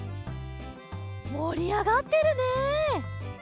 もりあがってるね。